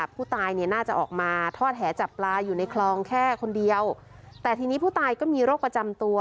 ผู้ตายเนี่ยน่าจะออกมาทอดแหจับปลาอยู่ในคลองแค่คนเดียวแต่ทีนี้ผู้ตายก็มีโรคประจำตัว